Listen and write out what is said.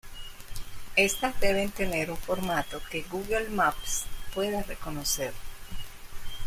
Estas deben tener un formato que Google Maps pueda reconocer.